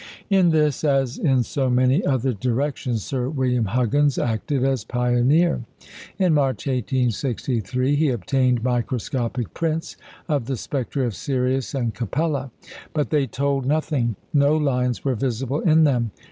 In this, as in so many other directions, Sir William Huggins acted as pioneer. In March, 1863, he obtained microscopic prints of the spectra of Sirius and Capella. But they told nothing. No lines were visible in them.